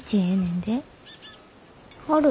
ある。